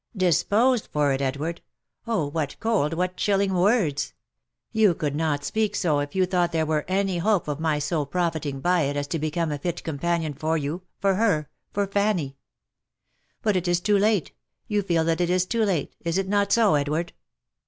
" Disposed for it, Edward ? Oh ! what cold, what chilling words ! You could not speak so, if you thought there were any hope of my so profiting by it as to become a fit companion for you — for her — for Fanny. But it is too late — you feel that it is too late — is it not so, Edward